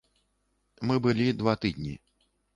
Мы былі два тыдні.